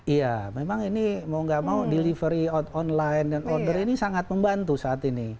iya memang ini mau gak mau delivery online dan order ini sangat membantu saat ini